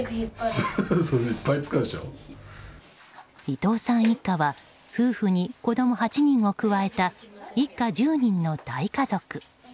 伊藤さん一家は夫婦に子供８人を加えた一家１０人の大家族。